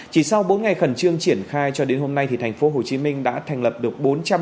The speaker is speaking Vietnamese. chỉ sau bốn ngày khẩn trương triển khai cho đến hôm nay thì thành phố hồ chí minh đã thành lập được